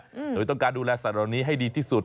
โดยต้องการดูแลสัตว์เหล่านี้ให้ดีที่สุด